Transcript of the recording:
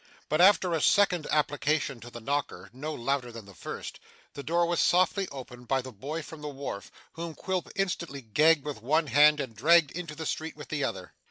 But after a second application to the knocker, no louder than the first, the door was softly opened by the boy from the wharf, whom Quilp instantly gagged with one hand, and dragged into the street with the other.